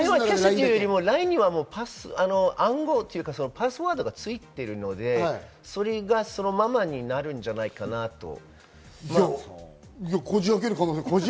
ＬＩＮＥには暗号というかパスワードがついているので、それがそのままになるんじゃないかなと。